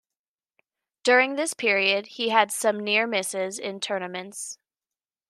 During this period he had some near-misses in tournaments.